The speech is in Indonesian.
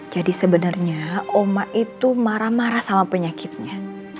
jadi sebenarnya oma itu marah marah sama penyakitnya